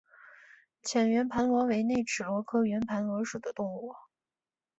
浅圆盘螺为内齿螺科圆盘螺属的动物。